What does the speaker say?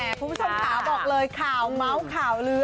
คุณผู้ชมค่ะบอกเลยข่าวเมาส์ข่าวลือ